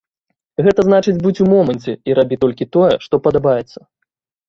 Гэта значыць будзь у моманце і рабі толькі тое, што падабаецца.